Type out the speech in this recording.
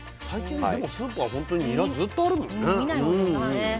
最近でもスーパーほんとにニラずっとあるもんね。